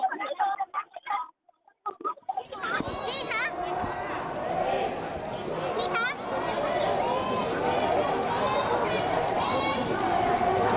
เพราะกับชอบครัวนะคะคุณแพทย์ทองทานคุณพิชย์ทองทานแล้วก็คุณทานทองแท้นะคะ